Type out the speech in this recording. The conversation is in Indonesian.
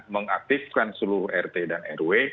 mengaktifkan seluruh rt dan rw